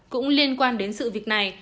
cũng liên quan đến sự việc này